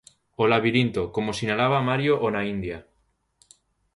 O labirinto, coma sinalaba Mario Onaíndia.